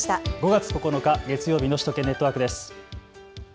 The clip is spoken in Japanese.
５月９日、月曜日の首都圏ネットワークです。